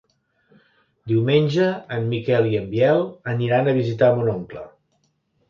Diumenge en Miquel i en Biel aniran a visitar mon oncle.